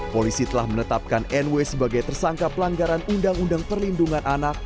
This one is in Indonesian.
polisi telah menetapkan nw sebagai tersangka pelanggaran undang undang perlindungan anak